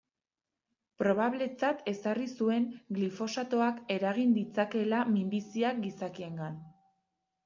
Probabletzat ezarri zuen glifosatoak eragin ditzakeela minbiziak gizakiengan.